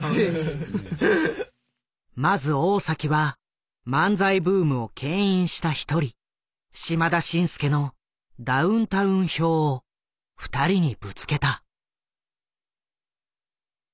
まず大は漫才ブームを牽引した一人島田紳助のダウンタウン評を二人にぶつけた。